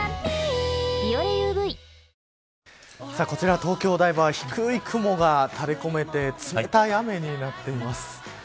こちら東京、お台場は低い雲が垂れ込めて冷たい雨になっています。